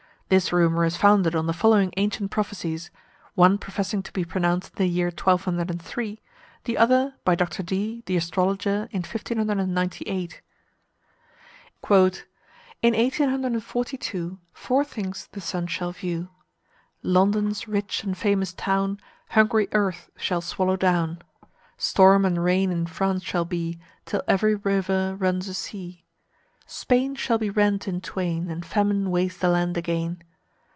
This rumour is founded on the following ancient prophecies: one professing to be pronounced in the year 1203; the other, by Dr. Dee the astrologer, in 1598: "In eighteen hundred and forty two Four things the sun shall view; London's rich and famous town Hungry earth shall swallow down. Storm and rain in France shall be, Till every river runs a sea. Spain shall be rent in twain, And famine waste the land again.